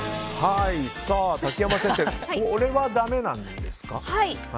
瀧山先生、これはだめなんですか。